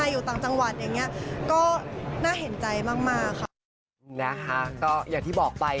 อยู่ต่างจังหวัดอย่างเงี้ยก็น่าเห็นใจมากมากค่ะนะคะก็อย่างที่บอกไป